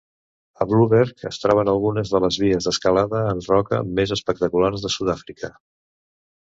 A Blouberg es troben algunes de les vies d'escalada en roca més espectaculars de Sud-àfrica.